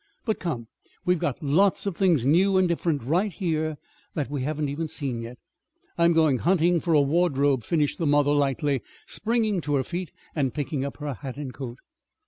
But come, we've got lots of things new and different right here that we haven't even seen yet. I'm going hunting for a wardrobe," finished the mother lightly, springing to her feet and picking up her hat and coat.